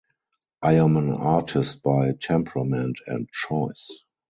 I am an artist by temperament and choice.